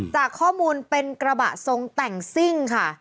จากข้อมูลเป็นกระบะทรงแต่งซิ่งค่ะ